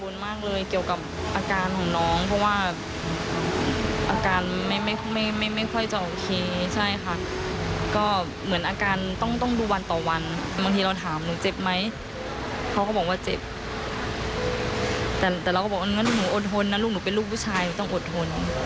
แต่เราก็บอกว่างั้นหนูอดทนนะลูกหนูเป็นลูกผู้ชายหนูต้องอดทน